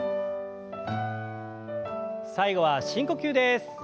最後は深呼吸です。